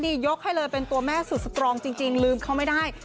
นี่ยกให้เลยเป็นตัวแม่สุดสตรองจริงลืมเขาไม่ได้